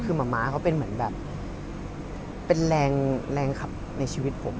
คือมะมะเขาเป็นแม่งขับในชีวิตผม